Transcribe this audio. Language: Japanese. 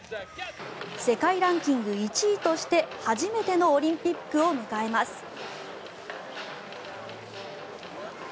世界ランキング１位として初めてのオリンピックを迎えます。